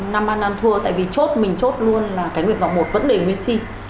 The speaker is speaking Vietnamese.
năm ăn ăn thua tại vì chốt mình chốt luôn là cái nguyện vọng một vẫn để nguyễn sinh